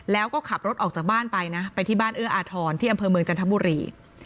แล้วก็ขับรถออกจากบ้านไปนะไปที่บ้านเอื้ออาทรที่อำเภอเมืองจันทบุรี